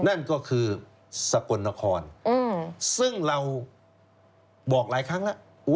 นั่นก็คือสกลนครซึ่งเราบอกหลายครั้งแล้ว